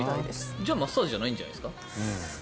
じゃあマッサージじゃないんじゃないですか？